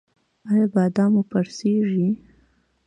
ایا بادام مو پړسیږي؟